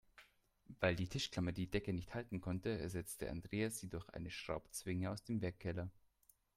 Weil die Tischklammer die Decke nicht halten konnte, ersetzte Andreas sie durch eine Schraubzwinge aus dem Werkkeller.